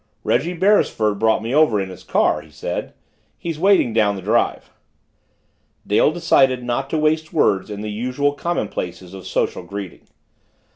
"Reggie Beresford brought me over in his car," he said. "He's waiting down the drive." Dale decided not to waste words in the usual commonplaces of social greeting. "Mr.